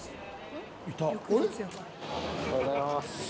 おはようございます。